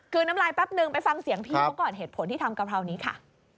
น้ำลายแป๊บนึงไปฟังเสียงพี่เขาก่อนเหตุผลที่ทำกะเพรานี้ค่ะ